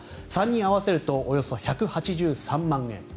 ３人合わせるとおよそ１８３万円。